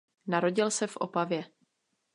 Narodil se v Opavě.